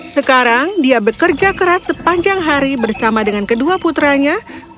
sekarang dia bekerja keras sepanjang hari bersama dengan kedua putranya